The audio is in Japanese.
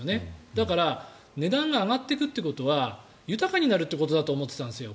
だから、値段が上がっていくということは豊かになるということだと思ってたんですよ